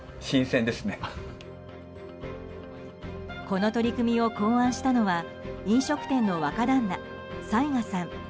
この取り組みを考案したのは飲食店の若旦那、雑賀さん。